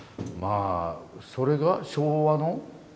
あそれが昭和の？